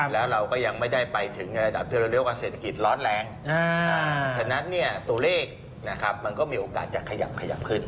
แล้วเราก็ยังไม่ได้ไปถึงในระดับที่เราเรียกว่าเศรษฐกิจร้อนแรงฉะนั้นตัวเลขมันก็มีโอกาสจะขยับขยับขึ้น